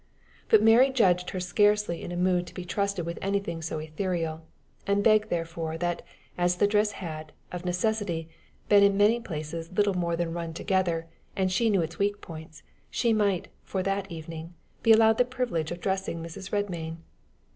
But Mary judged her scarcely in a mood to be trusted with anything so ethereal; and begged therefore that, as the dress had, of necessity, been in many places little more than run together, and she knew its weak points, she might, for that evening, be allowed the privilege of dressing Mrs. Redmain.